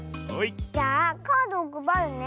じゃあカードをくばるね。